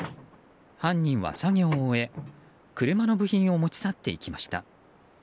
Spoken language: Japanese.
犯人は作業を終え車の部品を持ち去っていきました。